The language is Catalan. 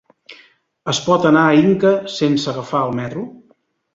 Es pot anar a Inca sense agafar el metro?